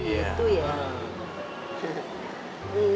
oh begitu ya